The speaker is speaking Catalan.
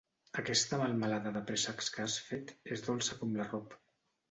Aquesta melmelada de préssecs que has fet és dolça com l'arrop.